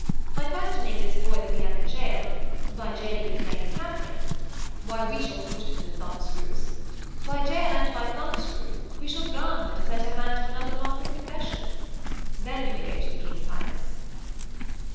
By questioning this boy that we have in gaol, by gaoling this Lady Katharine why, we shall put her to the thumbscrews! by gaol and by thumbscrew, we shall gar her to set her hand to another make of confession. Then you may go to the King's Highness.'